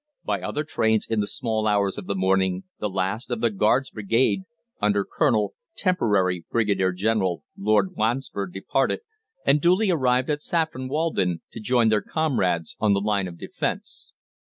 By other trains in the small hours of the morning the last of the Guards Brigade under Colonel (temporary Brigadier General) Lord Wansford departed, and duly arrived at Saffron Walden, to join their comrades on the line of defence.